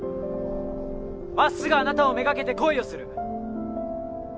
まっすぐあなたを目がけて恋をする！